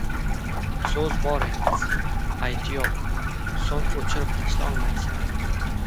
• So‘z bo‘r emas, aytiob, so‘ng o‘chirib tashlolmaysan.